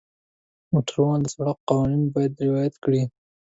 موټروان د سړک قوانین باید رعایت کړي.